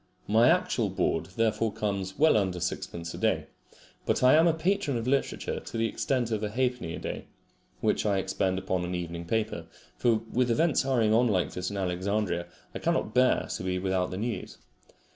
My actual board therefore comes well under sixpence a day, but I am a patron of literature to the extent of a halfpenny a day, which I expend upon an evening paper; for with events hurrying on like this in Alexandria, I cannot bear to be without the news.